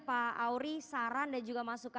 pak aury saran dan juga masukkan